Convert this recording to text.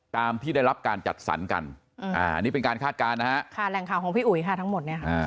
ตามที่ได้รับการจัดสรรกันอันนี้เป็นการคาดการณ์นะฮะค่าแรงข่าวของพี่อุ๋ยค่ะทั้งหมดเนี่ยค่ะ